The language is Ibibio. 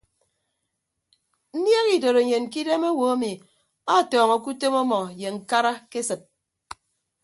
Nniehe idotenyen ke idem owo emi atọọñọke utom ọmọ ye ñkara ke esịt.